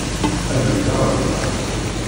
Abrid aɣelnaw.